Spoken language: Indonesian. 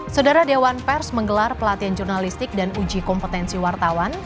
saudara dewan pers menggelar pelatihan jurnalistik dan uji kompetensi wartawan